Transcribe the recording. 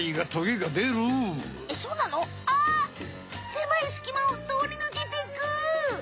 せまいすきまをとおりぬけてく！